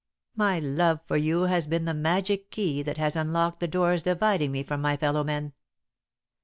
"My love for you has been the magic key that has unlocked the doors dividing me from my fellow men.